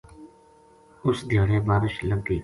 اُس دھیاڑے بارش لگ گئی